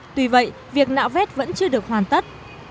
tuy vậy việc nạo vét vẫn chưa được hoàn tất